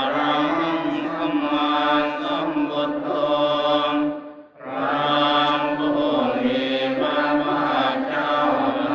ถึงตีสี่ครึ่งไม่ถึงตีสี่ครึ่งดีอ่ะประมาณตีสี่ยี่สิบ